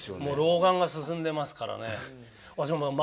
もう老眼が進んでますからね。